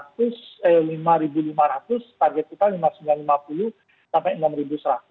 target kita lima ribu sembilan ratus lima puluh sampai enam ribu seratus